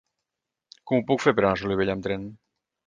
Com ho puc fer per anar a Solivella amb tren?